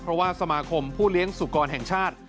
เพราะว่าสมาคมผู้เลี้ยงสุกรแห่งชาติ